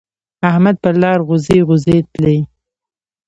احمد پر لار غوزی غوزی تلی.